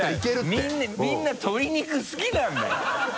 みんな鶏肉好きなんだよ！